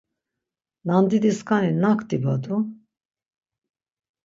Nandidiskani nak dibadu?